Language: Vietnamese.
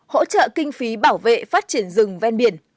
hỗ trợ kinh phí bảo vệ phát triển rừng ven biển